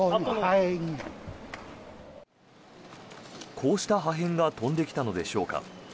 こうした破片が飛んできたのでしょうか。